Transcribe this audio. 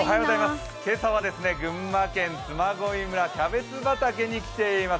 今朝は群馬県嬬恋村、キャベツ畑に来ています